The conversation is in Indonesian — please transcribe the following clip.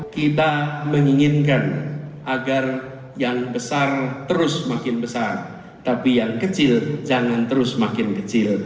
kita menginginkan agar yang besar terus makin besar tapi yang kecil jangan terus makin kecil